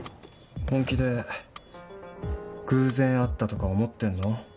本気で偶然会ったとか思ってんの？